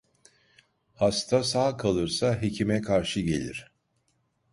Hasta sağ kalırsa hekime karşı gelir.